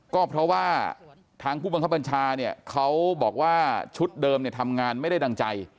ก็เพราะว่าทางผู้บังคับบัญชาเนี่ยเขาบอกว่าชุดเดิมทำงานไม่ได้ดังใจ